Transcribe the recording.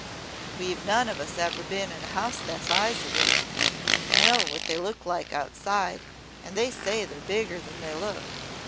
"We've none of us ever been in a house the size of it. You know what they look like outside, and they say they're bigger than they look.